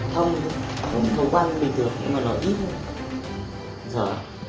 thông thì có vòng huyết lòng bình thường nhưng mà nó ít thôi dở